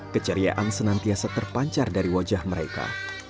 keceriaan senantiasa terpancar dari wajah mereka